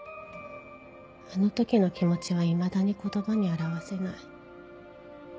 あの時の気持ちはいまだに言葉に表せない。